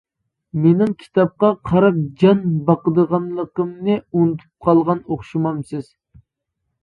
— مېنىڭ كىتابقا قاراپ جان باقىدىغانلىقىمنى ئۇنتۇپ قالغان ئوخشىمامسىز.